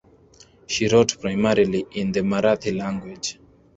She wrote primarily in the Marathi language.